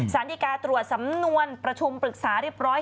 สารดีกาตรวจสำนวนประชุมปรึกษาเรียบร้อย